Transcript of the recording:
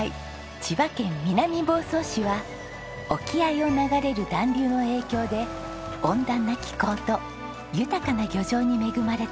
千葉県南房総市は沖合を流れる暖流の影響で温暖な気候と豊かな漁場に恵まれた土地。